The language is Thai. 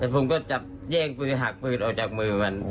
แต่ผมก็จับแย่งปืนหักปืนออกจากมือมัน